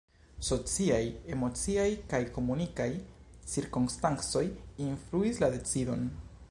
Sociaj, emociaj kaj komunikaj cirkonstancoj influis la decidon.